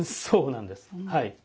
そうなんですはい。